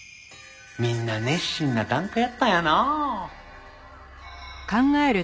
みんな熱心な檀家やったんやなあ。